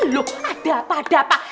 loh ada apa ada apa